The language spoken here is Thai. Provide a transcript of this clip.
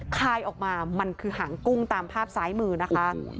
คลายออกมามันคือหางกุ้งตามภาพซ้ายมือนะคะ